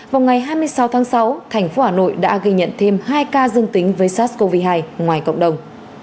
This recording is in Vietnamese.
vào ngày hai mươi sáu tháng sáu thành phố hà nội đã ghi nhận thêm hai ca dương tính với sars cov hai ngoài cộng đồng